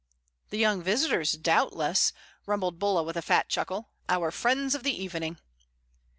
"The young visitors, doubtless," rumbled Bulla with a fat chuckle, "our friends of the evening."